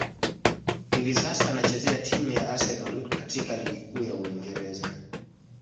Hivi sasa, anachezea timu ya Arsenal katika ligi kuu ya Uingereza.